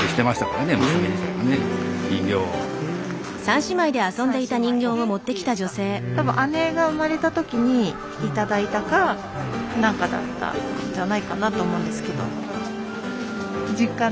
三姉妹でっていうかたぶん姉が生まれたときに頂いたか何かだったんじゃないかなと思うんですけど。